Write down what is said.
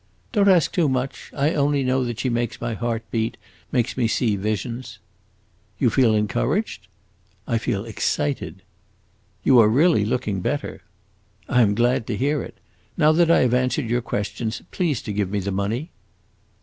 "Don't ask too much. I only know that she makes my heart beat, makes me see visions." "You feel encouraged?" "I feel excited." "You are really looking better." "I am glad to hear it. Now that I have answered your questions, please to give me the money."